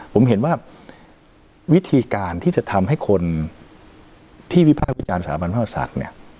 ผมเห็นว่าวิธีการที่จะทำให้คนที่วิพาควิจารณ์สรรพันธ์แพทยาศาสตร์